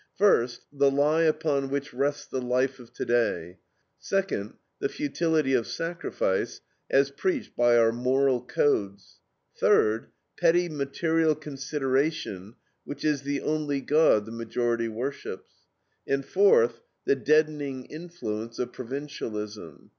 First, the lie upon which rests the life of today; second, the futility of sacrifice as preached by our moral codes; third, petty material consideration, which is the only god the majority worships; and fourth, the deadening influence of provincialism.